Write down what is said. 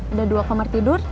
udah dua kamar tidur